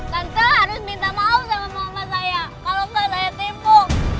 dan saya harus minta maaf sama mama saya kalau gak ada yang tipu